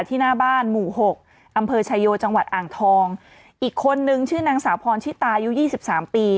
หน้าบ้านหมู่หกอำเภอชายโยจังหวัดอ่างทองอีกคนนึงชื่อนางสาวพรชิตายุยี่สิบสามปี